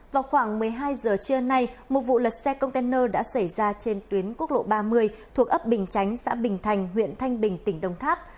vào khoảng một mươi hai giờ trưa nay một vụ lật xe container đã xảy ra trên tuyến quốc lộ ba mươi thuộc ấp bình chánh xã bình thành huyện thanh bình tỉnh đồng tháp